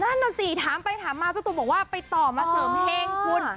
นั่นน่ะสิถามไปถามมาเจ้าตัวบอกว่าไปต่อมาเสริมเพลงคุณ